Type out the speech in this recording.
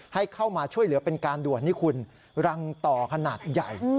ให้เข้ามาช่วยเหลือเป็นการด่วนนี่คุณรังต่อขนาดใหญ่